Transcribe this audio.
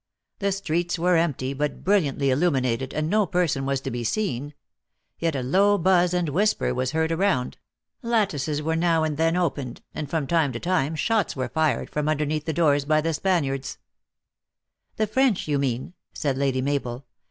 The streets were empty, but brilliantly illu minated, and no person was to be seen ; yet a low buzz and whisper was heard around ; lattices were now and then opened, and from time to time shots were fired from underneath the doors by the Spaniards "" The French," you mean," said Lady Mabel.